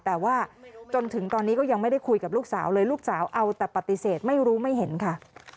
แต่ว่าจนถึงตอนนี้ก็ยังไม่ได้คุยกับลูกสาวเลยลูกสาวเอาแต่ปฏิเสธไม่รู้ไม่เห็นค่ะ